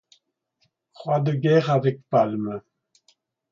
Croix de guerre avec palmes.